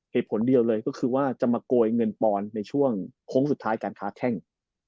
เหตุผลเดียวเลยก็คือว่าจะมาโกยเงินปอนด์ในช่วงโค้งสุดท้ายการค้าแข้ง